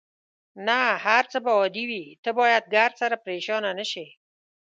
نه، هر څه به عادي وي، ته باید ګردسره پرېشانه نه شې.